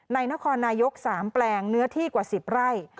นครนายก๓แปลงเนื้อที่กว่า๑๐ไร่